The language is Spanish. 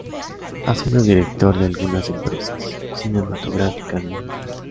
Ha sido directora de algunas empresas cinematográficas mexicanas.